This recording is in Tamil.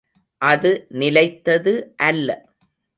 அது நிலைத்தது அல்ல.